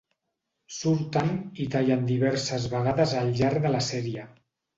Surten i tallen diverses vegades el llarg de la sèrie.